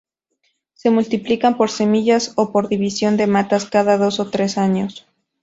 Se multiplican por semillas o por división de matas cada dos o tres años.